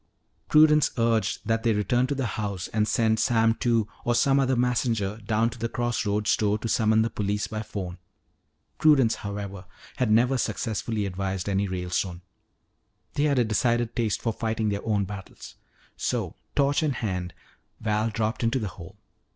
Prudence urged that they return to the house and send Sam Two or some other messenger down to the cross roads store to summon the police by phone. Prudence however had never successfully advised any Ralestone. They had a decided taste for fighting their own battles. So, torch in hand, Val dropped into the hole.